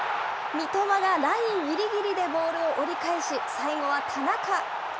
三笘がラインぎりぎりでボールを折り返し、最後は田中。